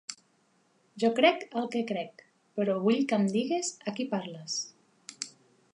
Jo crec el que crec; però vull que em digues a qui parles.